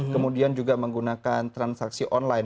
kemudian juga menggunakan transaksi online